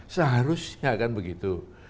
seharusnya akan begitu